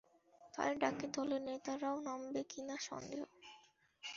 তাদের ডাকে দলের নেতারাও নামবে কি না সন্দেহ।